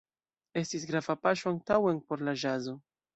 Estis grava paŝo antaŭen por la ĵazo.